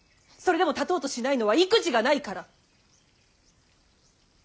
それでも立とうとしないのは意気地がないから。